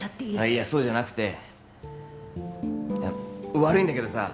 いやそうじゃなくて悪いんだけどさ